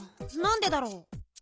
なんでだろう？